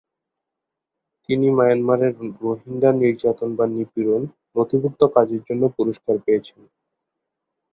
তিনি "মায়ানমারে রোহিঙ্গা নির্যাতন বা নিপীড়ন" নথিভুক্ত কাজের জন্য পুরস্কার পেয়েছেন।